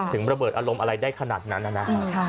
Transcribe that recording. ระเบิดอารมณ์อะไรได้ขนาดนั้นนะครับ